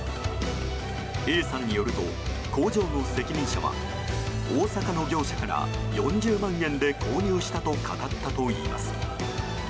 Ａさんによると工場の責任者は大阪の業者から４０万円で購入したと語ったといいます。